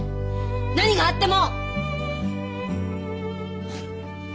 何があっても！